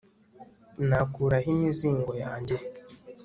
nakura he imizigo yanjye